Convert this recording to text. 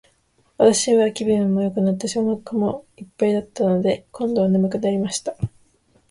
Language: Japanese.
私は気分もよくなったし、お腹も一ぱいだったので、今度は睡くなりました。